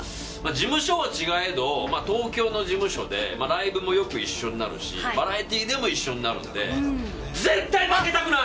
事務所は違えど東京の事務所でライブもよく一緒になるしバラエティーでも一緒になるので絶対負けたくない。